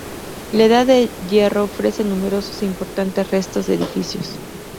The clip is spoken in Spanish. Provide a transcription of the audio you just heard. La Edad del Hierro ofrece numerosos e importantes restos de edificios.